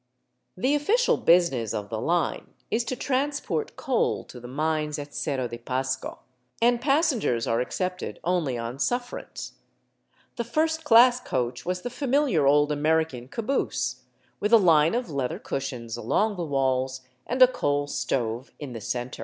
The official business of the line is to transport coal to the mines at Cerro de Pasco, and passengers are accepted only on suffrance. The " first class " coach was the familiar old American caboose, with a line of leather cushions along the walls and a coal stove in the center.